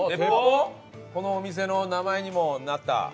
このお店の名前にもなった。